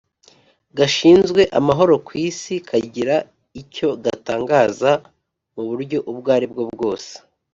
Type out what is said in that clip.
gashinzwe amahoro ku isi kagira icyo gatangaza mu buryo ubwo ari bwo bwose